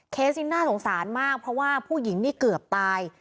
นี้น่าสงสารมากเพราะว่าผู้หญิงนี่เกือบตาย